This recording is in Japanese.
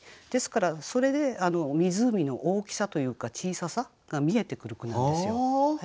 ですからそれで湖の大きさというか小ささが見えてくる句なんですよ。